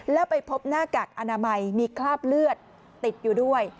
แล้วไปพบหน้ากากอนามัยมีคราบเลือดติดอยู่ด้วย